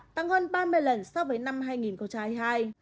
tăng hơn ba mươi lần so với năm con trai hai